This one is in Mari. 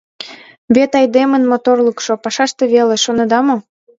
Вет айдемын моторлыкшо — пашаште веле, шонеда мо?